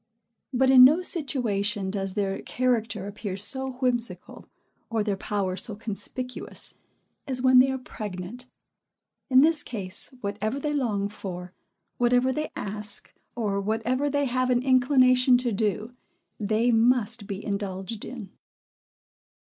But, in no situation does their character appear so whimsical, or their power so conspicuous, as when they are pregnant. In this case, whatever they long for, whatever they ask, or whatever they have an inclination to do, they must be indulged in.